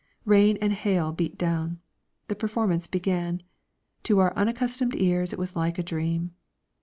Rain and hail beat down. The performance began. To our unaccustomed ears it was like a dream.